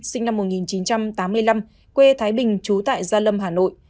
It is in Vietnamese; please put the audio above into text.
sinh năm một nghìn chín trăm tám mươi năm quê thái bình trú tại gia lâm hà nội